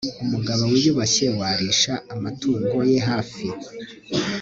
Umugabo wiyubashye warisha amatungo ye hafi